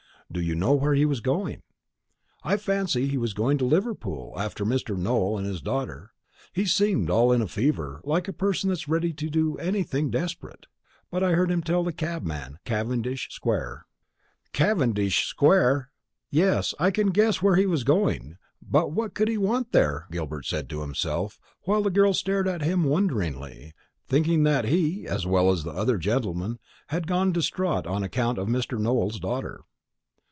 "Do you know where he was going?" "I fancy he was going to Liverpool after Mr. Nowell and his daughter. He seemed all in a fever, like a person that's ready to do anything desperate. But I heard him tell the cabman Cavendish square." "Cavendish square! Yes, I can guess where he was going. But what could he want there?" Gilbert said to himself, while the girl stared at him wonderingly, thinking that he, as well as the other gentleman, had gone distraught on account of Mr. Nowell's daughter.